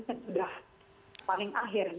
kan sudah paling akhir